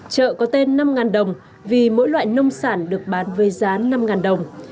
chợ có tên năm đồng vì mỗi loại nông sản được bán với giá năm đồng